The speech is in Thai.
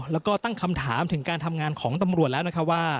แล้วก็ตั้งคำถามถึงการทำงานของตำรวจแล้วนะคะว่า